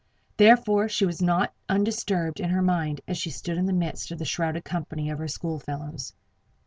Therefore, she was not undisturbed in her mind as she stood in the midst of the shrouded company of her school fellows.